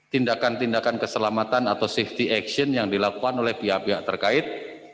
tindakan tindakan keselamatan atau safety action yang dilakukan oleh pihak pihak terkait